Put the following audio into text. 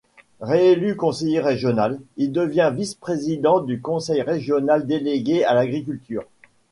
Réélu conseiller régional, il devient vice-président du conseil régional délégué à l'agriculture.